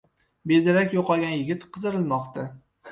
Bedarak yo‘qolgan yigit qidirilmoqda